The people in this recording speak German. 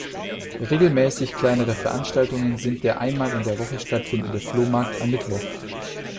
Regelmäßig kleinere Veranstaltungen sind der einmal in der Woche stattfindende Flohmarkt am Mittwoch.